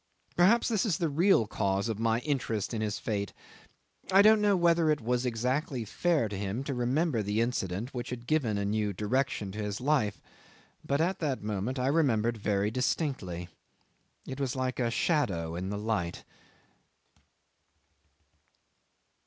Perhaps this is the real cause of my interest in his fate. I don't know whether it was exactly fair to him to remember the incident which had given a new direction to his life, but at that very moment I remembered very distinctly. It was like a shadow in the light.